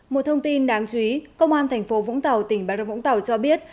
một thông tin đáng chú ý công an tp vũng tàu tỉnh bà rộng vũng tàu cho biết